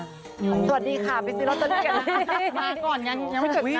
สวัสดีค่ะไปซื้อแล้วจะเรียน